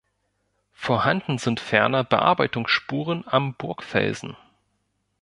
Vorhanden sind ferner Bearbeitungsspuren am Burgfelsen.